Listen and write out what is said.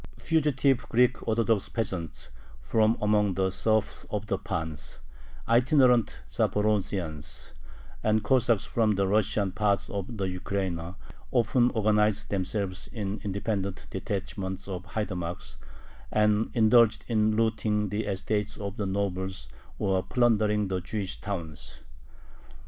Fugitive Greek Orthodox peasants from among the serfs of the pans, itinerant Zaporozhians, and Cossacks from the Russian part of the Ukraina, often organized themselves in independent detachments of haidamacks, and indulged in looting the estates of the nobles or plundering the Jewish towns.